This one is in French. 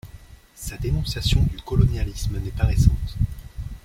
Sa dénonciation du colonialisme n'est pas récente.